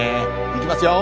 いきますよ。